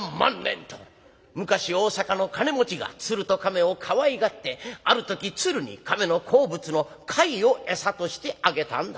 昔大阪の金持ちが鶴と亀をかわいがってある時鶴に亀の好物の貝を餌としてあげたんだ。